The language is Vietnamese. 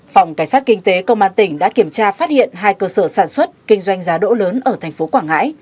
phòng cảnh sát kinh tế công an tỉnh đã kiểm tra phát hiện hai cơ sở sản xuất kinh doanh giá đỗ lớn ở thành phố quảng ngãi